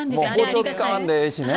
包丁使わんでいいしね。